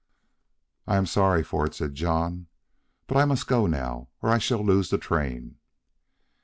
"I am sorry for it," said John; "but I must go now, or I shall lose the train."